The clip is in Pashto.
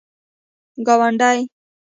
گاونډی